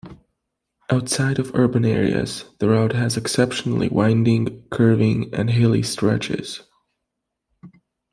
Outside of urban areas the route has exceptionally winding, curving and hilly stretches.